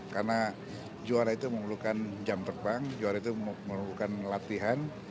karena juara itu memerlukan jam terbang juara itu memerlukan latihan